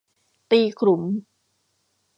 ตีขลุม